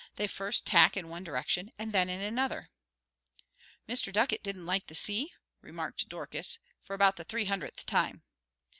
They first tack in one direction and then in another." "Mr. Ducket didn't like the sea?" remarked Dorcas, for about the three hundredth time.